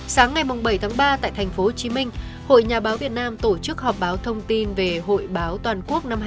sáng ngày bảy tháng ba tại tp hcm hội nhà báo việt nam tổ chức họp báo thông tin về hội báo toàn quốc năm hai nghìn hai mươi